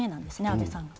安倍さん。